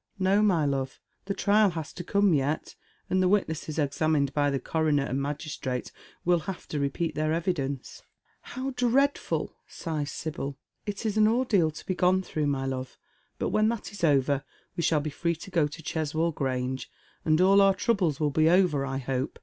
" No, my love, the trial has to come yet, and the witnesses examined by the coroner and magistrate will have to repeat theii evidence ?"" IIow dreadful I " sighs Sibyl. " It is an ordeal to be gone through, my love, but when that is over we shall be free to go to Cheswold Grange, and all onr trouble* will be over, I hope.